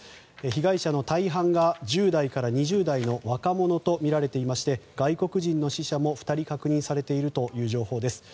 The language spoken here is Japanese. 被害者の大半が１０代から２０代の若者とみられており外国人の死者も２人確認されているという情報です。